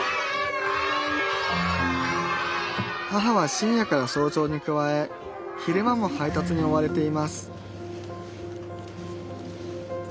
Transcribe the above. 母は深夜から早朝に加え昼間も配達に追われています